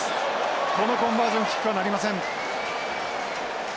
このコンバージョンキックはなりません。